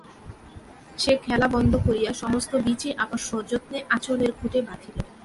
সে খেলা বন্ধ করিয়া সমস্ত বীচি আবার সযত্নে আঁচলের খুটে বাঁধিল।